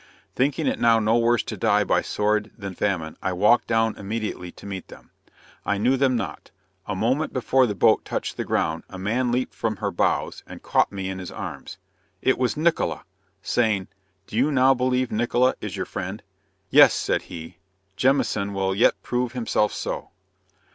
Thinking it now no worse to die by sword than famine, I walked down immediately to meet them. I knew them not. A moment before the boat touched the ground, a man leaped from her bows and caught me in his arms! It was Nickola! saying, "Do you now believe Nickola is your friend? yes, said he, Jamieson will yet prove himself so."